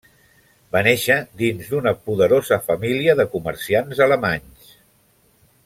Va néixer dins d'una poderosa família de comerciants alemanys.